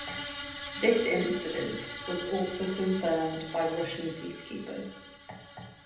This incident was also confirmed by Russian peacekeepers.